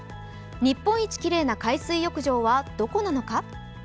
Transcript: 日本一きれいな海水浴場はどこなのか？